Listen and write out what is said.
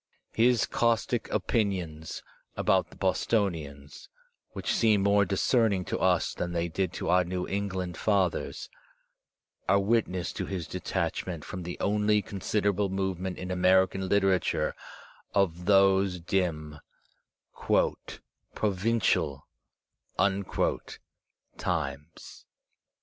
His caustic opinions about the Bostonians, which seem more discerning to us than they did to our New England fathers, are witness to his detachment from the only considerable movement in American literature of those dim "provincial" times.